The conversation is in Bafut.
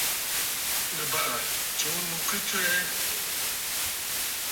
Nɨ̀ bàrà tsuu ɨnnù ki tswɛɛ.